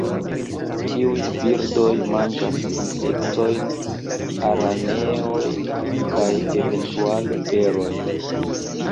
Tiuj birdoj manĝas insektojn, araneojn kaj eventuale berojn.